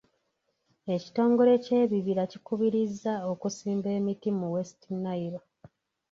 Ekitongole ky'ebibira kikubirizza okusimba emiti mu West Nile.